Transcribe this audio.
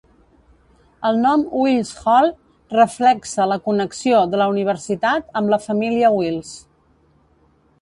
El nom Wills Hall reflexa la connexió de la universitat amb la família Wills.